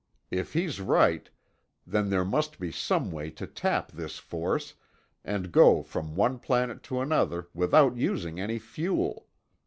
If he's right, then there must be some way to tap this force and go from one planet to another without using any fuel.